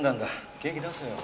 元気出せよ。